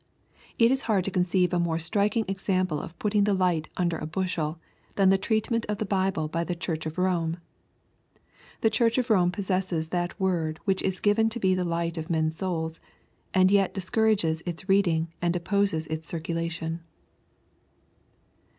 It is hard to conceive a more striking example of putting the light " under a bushel" than the treatment of the Bible by the Church of Rome. The Church of Rome possesses that word which is given to be the light of man's soul, and yet discouragee its reading and opposes its circulation.